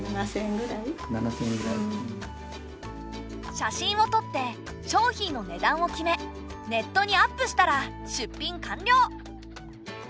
写真をとって商品の値段を決めネットにアップしたら出品完了！